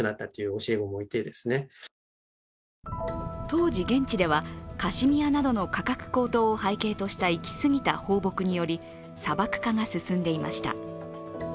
当時、現地ではカシミヤなどの価格高騰を背景とした行き過ぎた放牧により砂漠化が進んでいました。